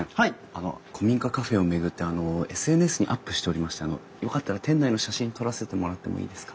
あの古民家カフェを巡ってＳＮＳにアップしておりましてよかったら店内の写真撮らせてもらってもいいですか？